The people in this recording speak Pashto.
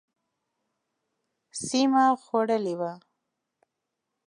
سیمه خوړلې وه.